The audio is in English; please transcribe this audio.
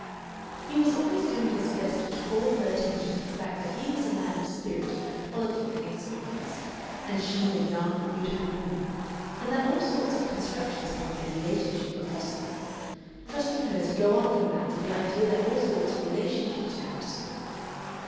He was always doing his best to call her attention to the fact that he was a man of spirit and quality and experience, and she a young and beautiful woman, and that all sorts of constructions upon their relationship were possible, trusting her to go on from that to the idea that all sorts of relationships were possible.